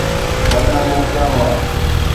وڏا موقعا هئا.